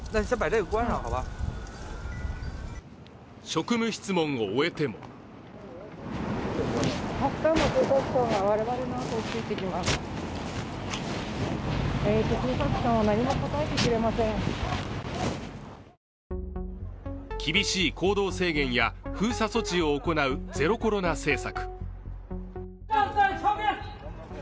職務質問を終えても厳しい行動制限や封鎖措置を行うゼロコロナ政策。